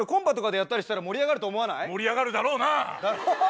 盛り上がるだろうな！